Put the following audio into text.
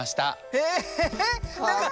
えっ！